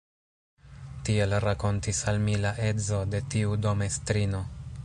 Tiel rakontis al mi la edzo de tiu dom-estrino.